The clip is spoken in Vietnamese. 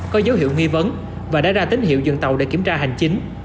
có dấu hiệu nghi vấn và đã ra tín hiệu dừng tàu để kiểm tra hành chính